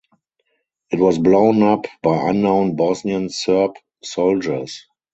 It was blown up by unknown Bosnian Serb soldiers.